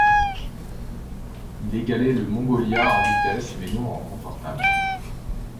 Il égalait le Mongolia en vitesse, mais non en confortable.